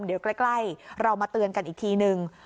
เดี๋ยวใกล้เรามาเตือนกันอีกทีนึง